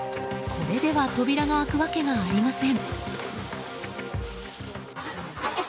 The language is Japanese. これでは扉が開くわけがありません。